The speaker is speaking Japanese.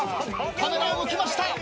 カメラを向きました。